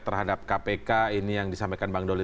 terhadap kpk ini yang disampaikan bang doli